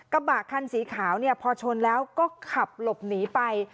กระบะคันสีขาวเนี่ยพอชนแล้วก็ขับหลบหนีไป